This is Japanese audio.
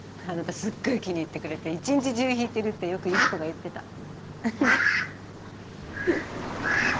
あなたすっごい気に入ってくれて一日中弾いてるってよく由紀子が言ってた。